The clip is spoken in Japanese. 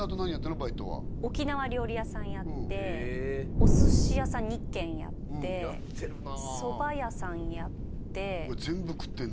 バイトは沖縄料理屋さんやってお寿司屋さん２軒やってやってるなそば屋さんやって全部食ってるね